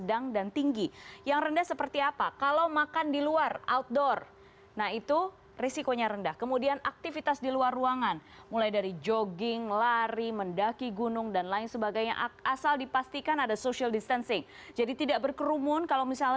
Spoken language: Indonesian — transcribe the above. asalkan tidak di jam jam yang sibuk